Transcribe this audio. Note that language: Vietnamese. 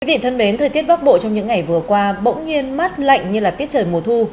quý vị thân mến thời tiết bắc bộ trong những ngày vừa qua bỗng nhiên mát lạnh như là tiết trời mùa thu